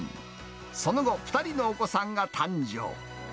その後、２人のお子さんが誕生。